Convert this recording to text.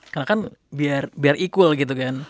karena kan biar equal gitu kan